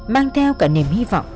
mang theo cả niềm hy vọng